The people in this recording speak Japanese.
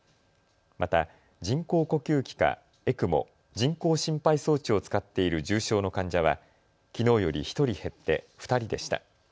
また人工呼吸器かＥＣＭＯ・人工心肺装置を使っている重症の患者はきのうより１人減って２人でした。